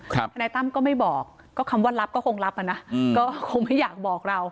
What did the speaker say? ทนายตั้มก็ไม่บอกก็คำว่ารับก็คงรับอ่ะนะก็คงไม่อยากบอกเรา